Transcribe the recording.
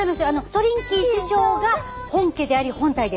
トリンキー師匠が本家であり本体です。